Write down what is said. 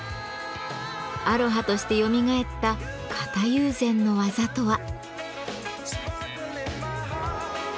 アロハとしてよみがえった型友禅の技とは？